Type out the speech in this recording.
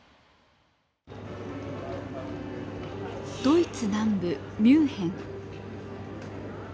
ドイツ南部ミュンヘン。